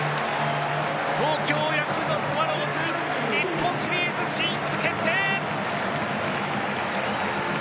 東京ヤクルトスワローズ日本シリーズ進出決定！